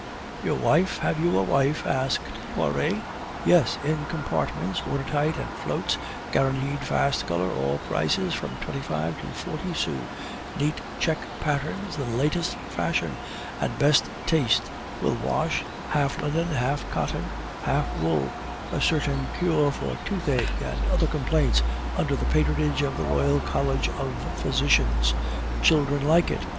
"Your wife; have you a wife?" asked Poiret. "Yes, in compartments, water tight and floats, guaranteed fast color, all prices from twenty five to forty sous, neat check patterns in the latest fashion and best taste, will wash, half linen, half cotton, half wool; a certain cure for toothache and other complaints under the patronage of the Royal College of Physicians! children like it!